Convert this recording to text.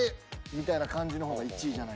みたいな感じの方が１位じゃないかなと。